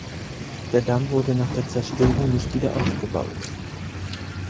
Der Damm wurde nach der Zerstörung nicht wieder aufgebaut.